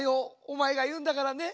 おまえがいうんだからね。